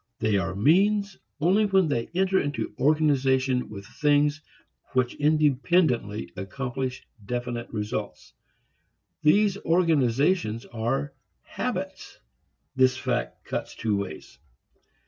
They are means only when they enter into organization with things which independently accomplish definite results. These organizations are habits. This fact cuts two ways.